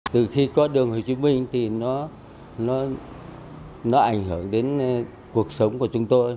từ khi có đường hồ chí minh thì nó ảnh hưởng đến cuộc sống của chúng tôi